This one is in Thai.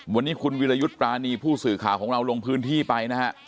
วันนี้คุณวิรยุทธ์ปรานีผู้สื่อข่าวของเราลงพื้นที่ไปนะฮะ